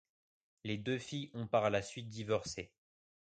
Les deux filles ont par la suite divorcé.